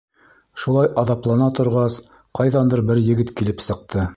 Шулай аҙаплана торгас, ҡайҙандыр бер егет килеп сыҡты.